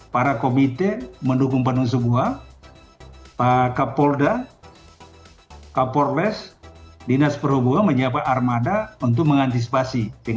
para komite mendukung panusubua pak kapolda kapolres dinas perhubungan menyiapkan armada untuk mengantisipasi